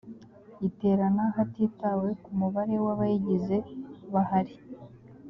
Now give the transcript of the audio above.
iterana hatitawe ku mubare w’abayigize bahari